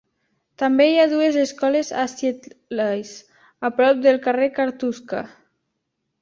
També hi ha dues escoles a Siedlce, a prop del carrer Kartuska.